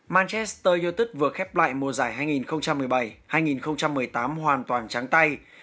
manchester youtute vừa khép lại mùa giải hai nghìn một mươi bảy hai nghìn một mươi tám hoàn toàn tráng tay